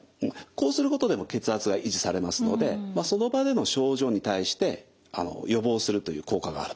こうすることでも血圧が維持されますのでその場での症状に対して予防するという効果があると思います。